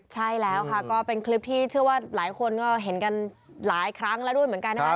ใช่แล้วค่ะก็เป็นคลิปที่เชื่อว่าหลายคนก็เห็นกันหลายครั้งแล้วด้วยเหมือนกันนะครับ